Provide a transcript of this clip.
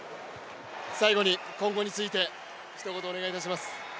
最後に今後についてひと言お願いいたします。